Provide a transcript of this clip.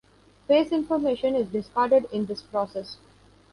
Phase information is discarded in this process.